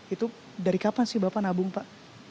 itu dari kapan sih bapak nabung pak